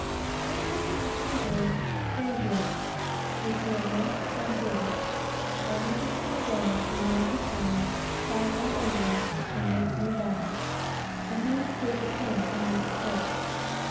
It was the Mexican brig Fazio, which we had left at San Pedro, and which had come down to land her tallow, try it all over, and make new bags, and then take it in, and leave the coast.